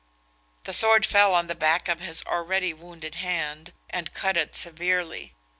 The sword fell on the back of his already wounded hand, and cut it severely.